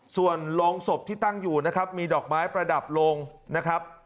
ส่วนโรงศพที่ตั้งอยู่นะครับมีดอกไม้ประดับลงนะครับ